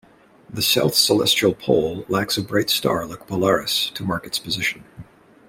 The south celestial pole lacks a bright star like Polaris to mark its position.